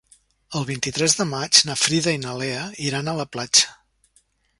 El vint-i-tres de maig na Frida i na Lea iran a la platja.